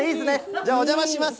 じゃあ、お邪魔します。